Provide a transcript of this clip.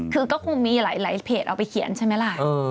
คือก็คงมีหลายเพจเอาไปเขียนใช่ไหมล่ะ